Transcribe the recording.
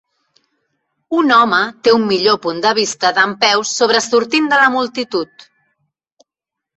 Un home té un millor punt de vista dempeus sobresortint de la multitud.